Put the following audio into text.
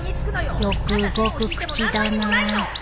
よく動く口だなあ